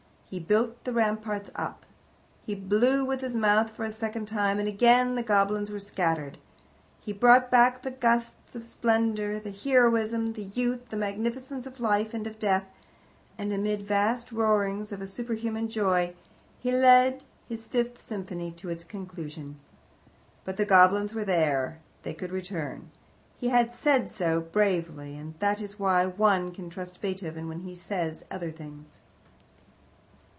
He built the ramparts up. He blew with his mouth for the second time, and again the goblins were scattered. He brought back the gusts of splendour, the heroism, the youth, the magnificence of life and of death, and, amid vast roarings of a superhuman joy, he led his Fifth Symphony to its conclusion. But the goblins were there. They could return. He had said so bravely, and that is why one can trust Beethoven when he says other things.